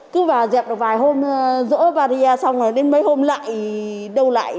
cứ vào dẹp được vài hôm rõ và rìa xong rồi đến mấy hôm lại đâu lại